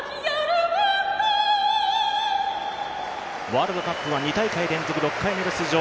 ワールドカップは２大会連続６回目の出場。